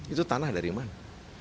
itu tanah dari mana